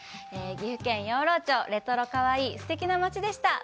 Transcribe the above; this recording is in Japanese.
岐阜県養老町、レトロかわいい、すてきな町でした。